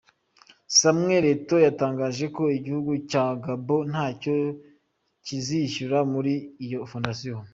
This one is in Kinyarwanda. Samuel Eto’O yatangaje ko igihugu cya Gabon ntacyo kizishyura muri iyo Fondation.